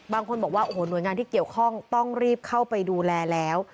บางคนบอกว่าโอ้โหหน่วยงานที่เกี่ยวข้องต้องรีบเข้าไปดูแลแล้ว